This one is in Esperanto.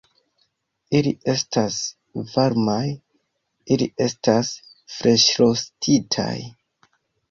Ili estas varmaj... ili estas freŝrostitaj